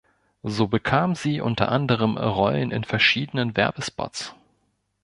So bekam sie unter anderem Rollen in verschiedenen Werbespots.